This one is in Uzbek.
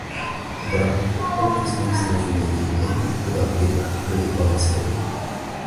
Biroq, u bizning sinfimizning eng iqtidorli va aqlli bolasi edi